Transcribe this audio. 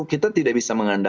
kita tidak bisa mencari bantuan